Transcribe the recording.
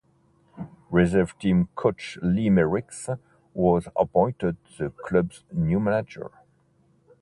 Reserve team coach Lee Merricks was appointed the club's new manager.